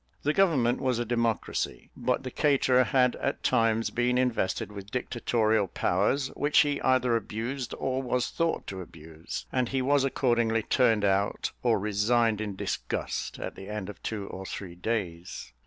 The government was a democracy; but the caterer had at times been invested with dictatorial powers, which he either abused or was thought to abuse, and he was accordingly turned out, or resigned in disgust, at the end of two or three days.